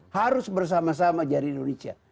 harus bersama sama jadi indonesia